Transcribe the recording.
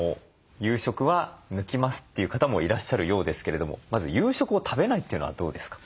夕食は抜きますという方もいらっしゃるようですけれどもまず夕食を食べないというのはどうですか？